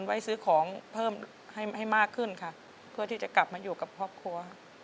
ไว้ซื้อของเพิ่มให้ให้มากขึ้นค่ะเพื่อที่จะกลับมาอยู่กับครอบครัว